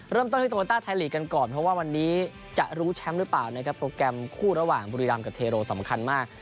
เริ่มต้นที่โตโมต้าไทยลีกกันก่อนเพราะว่าวันนี้จะรู้แชมป์หรือเปล่านะครับโปรแกรมคู่ระหว่างบุรีรำกับเทโรสำคัญมาก